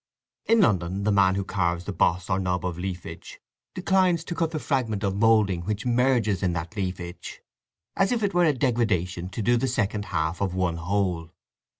In London the man who carves the boss or knob of leafage declines to cut the fragment of moulding which merges in that leafage, as if it were a degradation to do the second half of one whole.